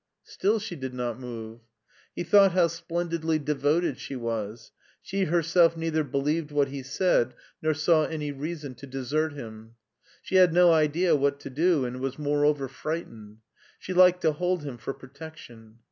Still she did not move. He thought how splendidly devoted she was. She herself neither believed what he said nor saw any reason to desert him. She had no idea what to do and was moreover frightened. She liked to hold him for protection.